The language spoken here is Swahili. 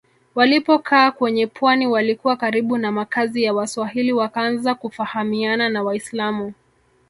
Walipokaa kwenye pwani walikuwa karibu na makazi ya Waswahili wakaanza kufahamiana na Waislamu